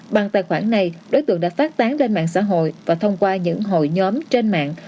bằng tài khoản này đối tượng đã phát tán lên mạng xã hội và thông qua những hội nhóm trên mạng